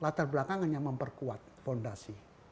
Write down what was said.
latar belakang hanya memperkuat fondasi